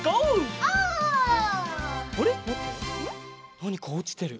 なにかおちてる。